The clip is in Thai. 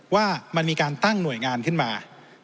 ว่ามันมีการตั้งหน่วยงานขึ้นมา